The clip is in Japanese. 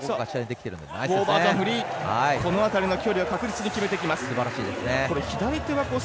この辺りのシュートは確実に決めてきます。